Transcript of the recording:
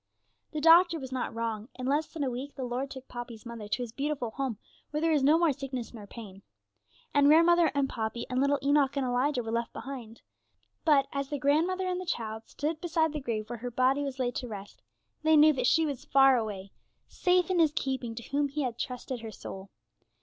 The doctor was not wrong. In less than a week the Lord took Poppy's mother to His beautiful home, where there is no more sickness nor pain. And grandmother, and Poppy, and little Enoch and Elijah were left behind. But, as the grandmother and the child stood beside the grave where her body was laid to rest, they knew that she was far away, safe in His keeping to whom she had trusted her soul.